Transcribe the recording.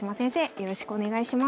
よろしくお願いします。